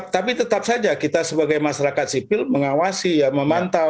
tapi tetap saja kita sebagai masyarakat sipil mengawasi ya memantau